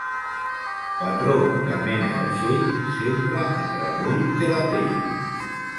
Patró que mena vaixell sempre en remull té la pell.